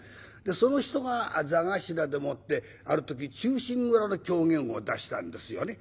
その人が座頭でもってある時「忠臣蔵」の狂言を出したんですよね。